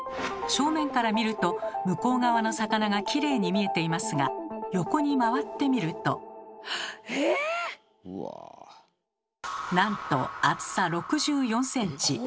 正面から見ると向こう側の魚がきれいに見えていますが横に回ってみるとなんと厚さ６４ｃｍ。